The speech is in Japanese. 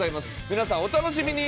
皆さんお楽しみに。